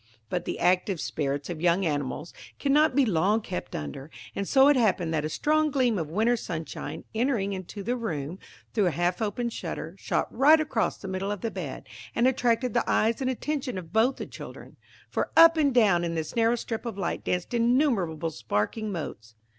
But the active spirits of young animals cannot be long kept under; and so it happened that a strong gleam of winter sunshine, entering into the room through a half opened shutter, shot right across the middle of the bed, and attracted the eyes and attention of both the children; for up and down in this narrow strip of light danced innumerable sparkling motes.